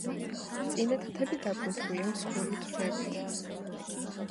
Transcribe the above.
წინა თათები დაკუნთულია, მსხვილი ძვლებით.